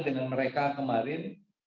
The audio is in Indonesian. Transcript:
dengan mereka kemarin